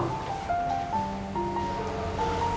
nggak tau nen